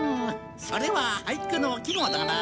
それは俳句の季語だな。